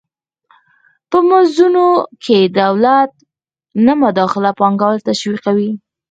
په مزدونو کې د دولت نه مداخله پانګوال تشویقوي.